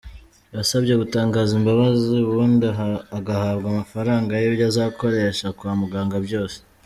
Yasabye gutangaza imbabazi ubundi agahabwa amafaranga y’ibyo azakoresha kwa muganga byose.